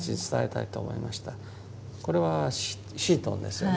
これはシートンですよね。